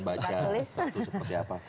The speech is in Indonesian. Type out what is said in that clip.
kita akan baca ratu seperti apa